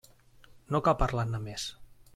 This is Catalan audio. No cal parlar-ne més.